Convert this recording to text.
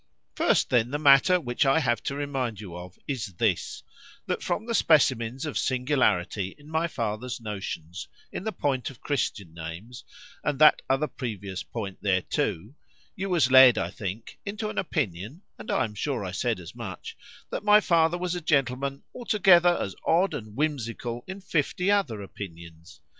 First, then, the matter which I have to remind you of, is this;——that from the specimens of singularity in my father's notions in the point of Christian names, and that other previous point thereto,—you was led, I think, into an opinion,—(and I am sure I said as much) that my father was a gentleman altogether as odd and whimsical in fifty other opinions.